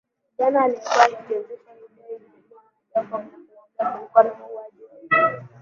Kijana aliyekuwa akichezesha video alipingana na Jacob na kumwambia kulikuwa na wauaji wawili